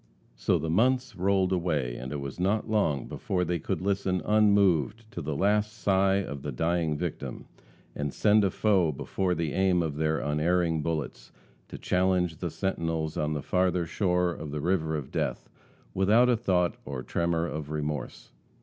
So the months rolled away and it was not long before they could listen unmoved to the last sigh of the dying victim, and send a foe before the aim of their unerring bullets, to challenge the sentinels on the farther shore of the river of death without a thought or tremor of remorse.